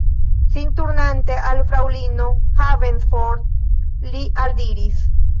Sin turnante al fraŭlino Haverford, li aldiris: